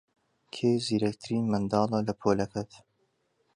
کێ زیرەکترین منداڵە لە پۆلەکەت؟